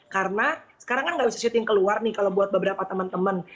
karena sekarang kan nggak bisa syuting keluar nih kalau buat beberapa teman teman